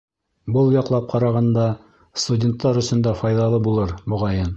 Был яҡлап ҡарағанда, студенттар өсөн дә файҙалы булыр, моғайын.